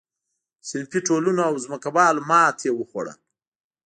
صنفي ټولنو او ځمکوالو ماتې وخوړه.